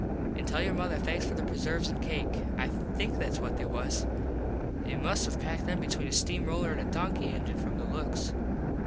An tell your mother thanks for the preserves an cake. I think thats what they was. They must have packed them between a steam roller and a donkey engin from the looks.